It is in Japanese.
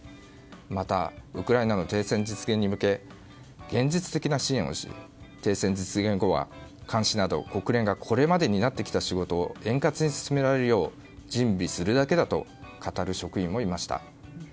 また、ウクライナの停戦実現に向け現実的な支援をし、停戦実現後は監視など、国連がこれまで担ってきた仕事を円滑に進められるよう準備するだけだと語る職員もいました。